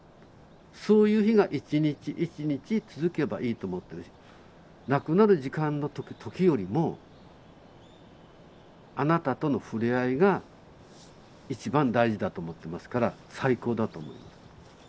そういう日が一日一日続けばいいと思ってるし亡くなる時間の時よりもあなたとのふれあいが一番大事だと思ってますから最高だと思います。